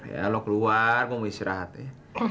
ya lo keluar mau istirahat ya